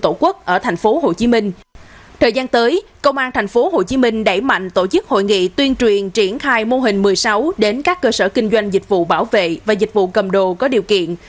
trong thời gian tới công an thành phố hồ chí minh đẩy mạnh tổ chức hội nghị tuyên truyền triển khai mô hình một mươi sáu đến các cơ sở kinh doanh dịch vụ bảo vệ và dịch vụ cầm đồ có điều kiện